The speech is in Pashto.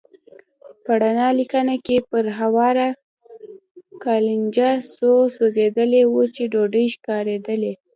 په رڼه لېکه کې پر هواره قالينچه څو سوځېدلې وچې ډوډۍ ښکارېدلې.